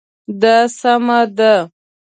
دا سمه ده